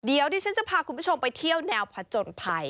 เดี๋ยวดิฉันจะพาคุณผู้ชมไปเที่ยวแนวผจญภัย